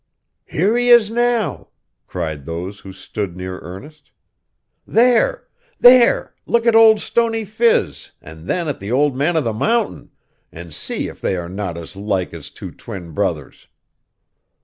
'Here he is, now!' cried those who stood near Ernest. 'There! There! Look at Old Stony Phiz and then at the Old Man of the Mountain, and see if they are not as like as two twin brothers!